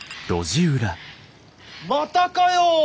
またかよ！